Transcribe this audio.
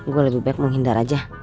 gue lebih baik menghindar aja